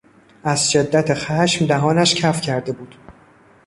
از شدت خشم دهانش کف کرده بود.